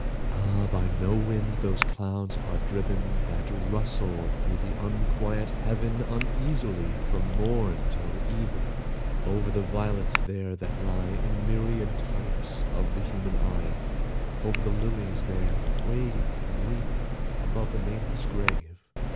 Ah, by no wind those clouds are driven That rustle through the unquiet Heaven Uneasily, from morn till even, Over the violets there that lie In myriad types of the human eye— Over the lilies there that wave And weep above a nameless grave!